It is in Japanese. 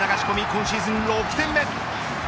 今シーズン６点目。